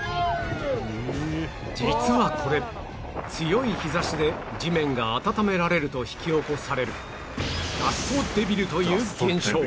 実はこれ強い日差しで地面が温められると引き起こされるダストデビルという現象